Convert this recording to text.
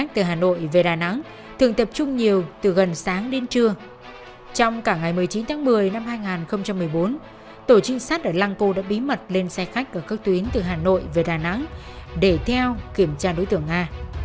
trong cả ngày một mươi chín tháng một mươi năm hai nghìn một mươi bốn tổ trinh sát ở lăng cô đã bí mật lên xe khách ở các tuyến từ hà nội về đà nẵng để theo kiểm tra đối tượng nga